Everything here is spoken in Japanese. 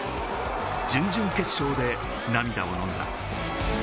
準々決勝で涙をのんだ。